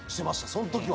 その時は。